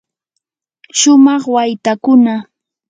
shumaq waytakuna.